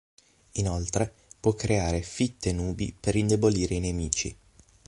Inoltre può creare fitte nubi per indebolire i nemici.